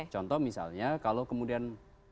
contoh misalnya kalau kemudian